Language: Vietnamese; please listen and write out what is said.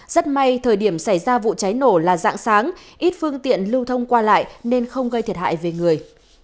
rất may thời điểm xảy ra vụ cháy nổ là dạng sáng ít phương tiện lưu thông qua lại nên không gây thiệt hại về người